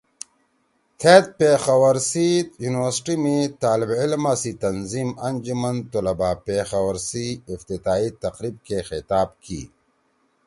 تھید پیخور سی یونیورسٹی می طالب علما سی تنظیم ”آنجمن طلبہ پیخور“ سی افتتاحی تقریب کے خطاب کی